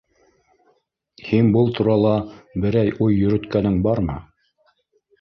Һин был турала берәй уй йөрөткәнең бармы?